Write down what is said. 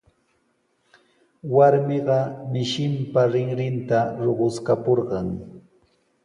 Warmiqa mishinpa rinrinta ruquskapurqan.